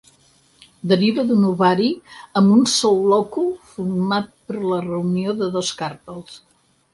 Deriva d'un ovari amb un sol lòcul format per la reunió de dos carpels.